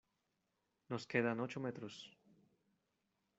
nos quedan ocho metros.